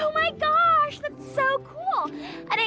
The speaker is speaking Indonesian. masa bohong deh